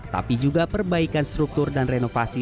tapi juga perbaikan struktur dan renovasi